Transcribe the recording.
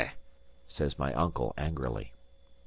says my uncle, angrily.